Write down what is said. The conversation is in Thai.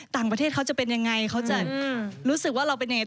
ต่างประเทศเขาจะเป็นยังไงเขาจะรู้สึกว่าเราเป็นยังไง